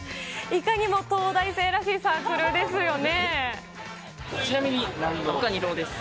いかにも東大生らしいサークちなみに何浪？